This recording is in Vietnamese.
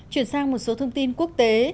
chuyển sang một số thông tin quốc tế